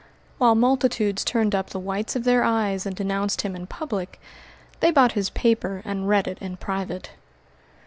While multitudes turned up the whites of their eyes and denounced him in public, they bought his paper and read it in private.